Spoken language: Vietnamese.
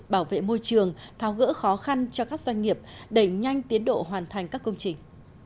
bảo vệ môi trường tháo gỡ khó khăn cho các doanh nghiệp đẩy nhanh tiến độ hoàn thành các công trình